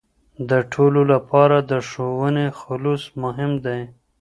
د ټولو لپاره د ښوونې خلوص مهم دی.